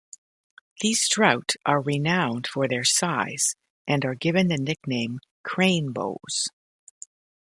These trout are renowned for their size and are given the nickname "cranebows".